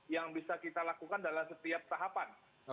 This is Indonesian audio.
yang bisa kita lakukan dalam setiap tahapan